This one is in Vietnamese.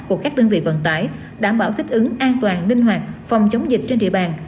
của các đơn vị vận tải đảm bảo thích ứng an toàn linh hoạt phòng chống dịch trên địa bàn